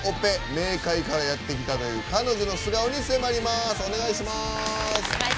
冥界からやってきたという彼女の素顔に迫ります。